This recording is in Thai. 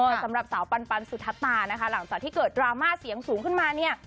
สำหรับสาวปันสุธตานะคะหลังจากที่เกิดดราม่าเสียงสูงขึ้นมาเนี่ย